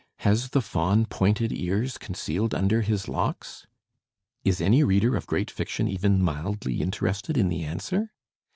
Has the Faun pointed ears concealed under his locks? Is any reader of great fiction even mildly interested in the answer?